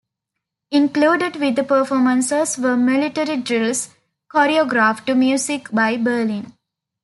Included with the performances were military drills choreographed to music by Berlin.